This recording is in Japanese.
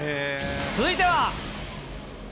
続いては。